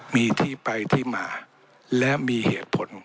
มีที่ไปที่มาและมีเหตุผล